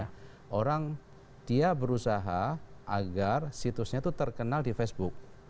karena orang dia berusaha agar situsnya itu terkenal di facebook